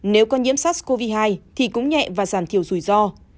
nếu có nhiễm sars cov hai thì cũng nhẹ và giảm thiểu rủi ro